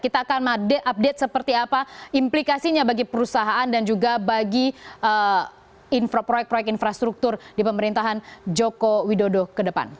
kita akan update seperti apa implikasinya bagi perusahaan dan juga bagi proyek proyek infrastruktur di pemerintahan joko widodo ke depan